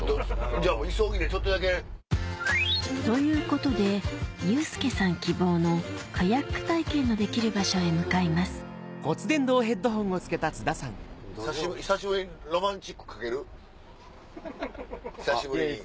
じゃあ急ぎでちょっとだけ。ということでユースケさん希望のカヤック体験のできる場所へ向かいます久しぶりに。